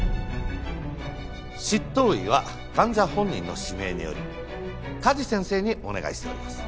執刀医は患者本人の指名により加地先生にお願いしております。